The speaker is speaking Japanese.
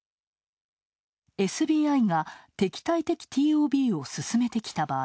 ＳＢＩが敵対的ＴＯＢを進めてきた場合